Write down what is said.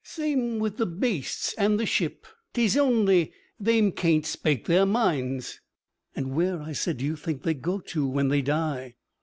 Same with the beasts an' the ship; 't es only they'm can't spake their minds.' 'And where,' I said, 'do you think they go to when they die?'